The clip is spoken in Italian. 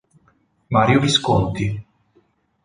Mario Visconti